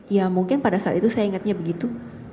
ya mungkin pada saat itu saya ingatnya begitu